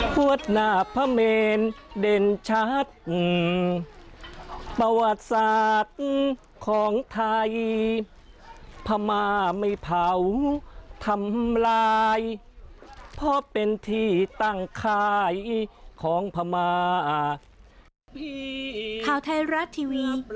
ข่าวไทยรัตน์ทีวีส์